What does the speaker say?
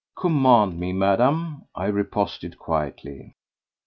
"Command me, Madame," I riposted quietly.